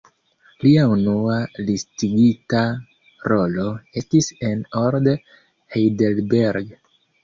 Lia unua listigita rolo estis en "Old Heidelberg".